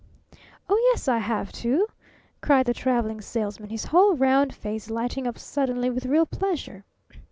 "Oh, yes, I have too!" cried the Traveling Salesman, his whole round face lighting up suddenly with real pleasure.